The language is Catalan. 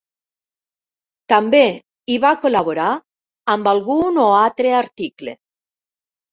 També hi va col·laborar amb algun o altre article.